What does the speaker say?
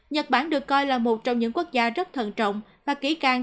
nhật bản được coi là một trong những quốc gia rất thận trọng và kỹ càng